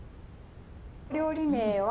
料理名は。